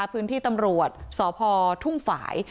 พื้นที่ตำรวจสพทุ่งฝ่าย